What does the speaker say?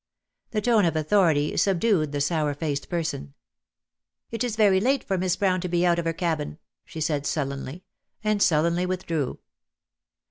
The tone of authority subdued the sour faced person. "It is very late for Miss Brown to be out of her cabin," she said sullenly, and sullenly with drew.